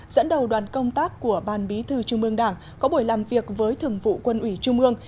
dẫn đầu đoàn công tác của ban bí thư trung ương đảng có buổi làm việc với thường vụ quân ủy trung ương